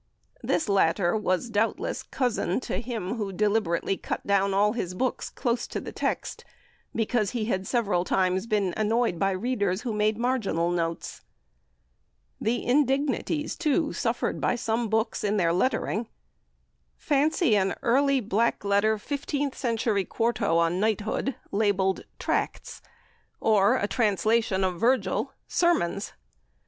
This latter was, doubtless, cousin to him who deliberately cut down all his books close to the text, because he had been several times annoyed by readers who made marginal notes. The indignities, too, suffered by some books in their lettering! Fancy an early black letter fifteenth century quarto on Knighthood, labelled "Tracts"; or a translation of Virgil, "Sermons"!